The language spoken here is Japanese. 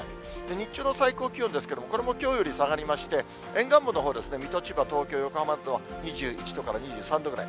日中の最高気温ですけれども、これもきょうより下がりまして、沿岸部のほう、水戸、千葉、東京、横浜は２１度から２３度ぐらい。